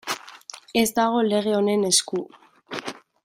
Ez dago lege honen esku.